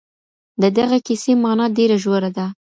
د دغي کیسې مانا ډېره ژوره ده.